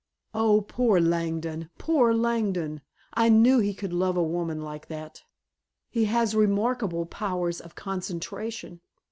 "Oh, poor Langdon! Poor Langdon! I knew he could love a woman like that " "He has remarkable powers of concentration!"